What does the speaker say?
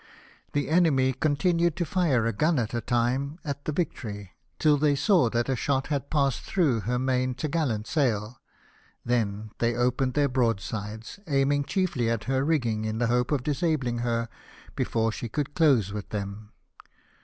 . The enemy continued to fire a gun at a time at the Victory, till they saw that a shot had passed THE BATTLE OF TRAFALGAR, 313 through her main topgallant sail; then they opened their broadsides, aiming chiefly at her rigging, in the hope of disabhng her before she could close with them.